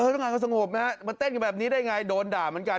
มันเต้นอยู่แบบนี้ได้ไงโดนด่ามันกัน